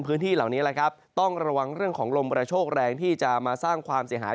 พื้นที่เหล่านี้แหละครับต้องระวังเรื่องของลมกระโชคแรงที่จะมาสร้างความเสียหาย